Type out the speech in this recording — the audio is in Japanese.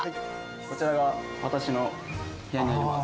こちらが私の部屋になります。